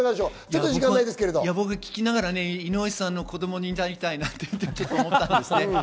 僕、聞きながら井上さんの子供になりたいなって思いました。